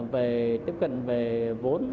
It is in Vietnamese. về tiếp cận về vốn